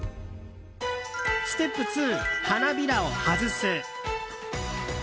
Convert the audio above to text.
ステップ２、花びらを外す。